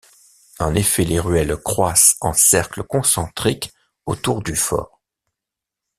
En effet les ruelles croissent en cercles concentriques autour du fort.